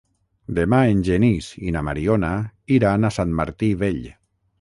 Demà en Genís i na Mariona iran a Sant Martí Vell.